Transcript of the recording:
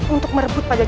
untuk merebut pajajaran